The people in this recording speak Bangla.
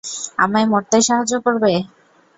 আমায় মরতে সাহায্য করবে?